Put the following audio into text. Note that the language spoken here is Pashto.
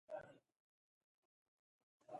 د پښتنو سیمې په سویل او ختیځ کې دي